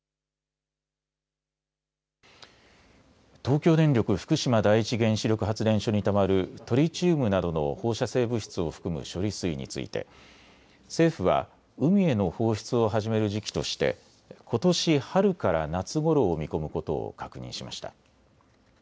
東京電力福島第一原子力発電所にたまるトリチウムなどの放射性物質を含む処理水について政府は海への放出を始める時期としてことし春から夏ごろを見込むことを確認しました。